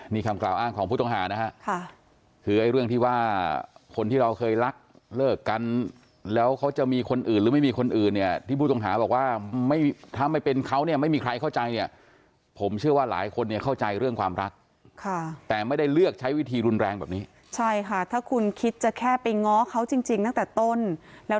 นี่คำกล่าวอ้างของผู้ต้องหานะฮะค่ะคือไอ้เรื่องที่ว่าคนที่เราเคยรักเลิกกันแล้วเขาจะมีคนอื่นหรือไม่มีคนอื่นเนี่ยที่ผู้ต้องหาบอกว่าไม่ถ้าไม่เป็นเขาเนี่ยไม่มีใครเข้าใจเนี่ยผมเชื่อว่าหลายคนเนี่ยเข้าใจเรื่องความรักค่ะแต่ไม่ได้เลือกใช้วิธีรุนแรงแบบนี้ใช่ค่ะถ้าคุณคิดจะแค่ไปง้อเขาจริงจริงตั้งแต่ต้นแล้ว